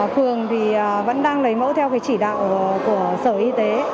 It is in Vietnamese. phường thì vẫn đang lấy mẫu theo cái chỉ đạo của sở y tế